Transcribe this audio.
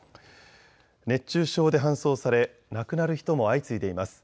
熱中症で搬送され亡くなる人も相次いでいます。